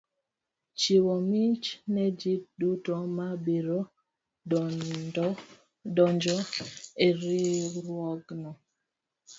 Chiwo mich ne ji duto ma biro donjo e riwruogno.